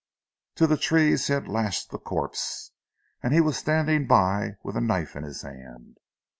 To the trees he had lashed the corpse, and he was standing by with a knife in his hand.